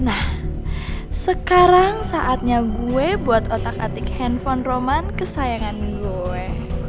nah sekarang saatnya gue buat otak atik handphone roman kesayangan gue